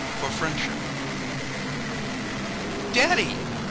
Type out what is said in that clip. FOR FRIENDSHIP "Daddy!"